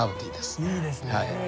いいですね。